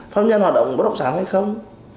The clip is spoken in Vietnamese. pháp nhân hoạt động bất động sản hay không